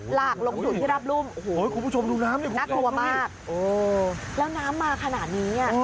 หลากลงถุงที่รับรุ้มน่ากลัวมากแล้วน้ำมาขนาดนี้อ๋อ